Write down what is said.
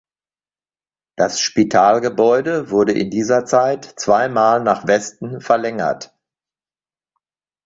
Das Spitalgebäude wurde in dieser Zeit zweimal nach Westen verlängert.